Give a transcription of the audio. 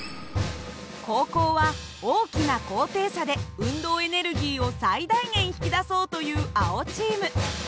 後攻は大きな高低差で運動エネルギーを最大限引き出そうという青チーム。